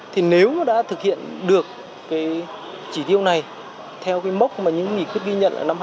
thì nếu nó đã thực hiện được cái chỉ tiêu này theo cái mốc mà những nghị quyết ghi nhận ở năm hai nghìn hai mươi